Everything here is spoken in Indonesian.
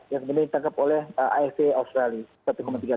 yang dimintangkap oleh afp australia